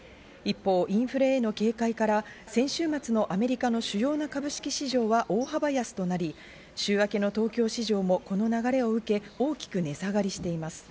一方、インフレへの警戒から先週末のアメリカの主要な株式市場は大幅安となり、週明けの東京市場もこの流れを受け、大きく値下がりしています。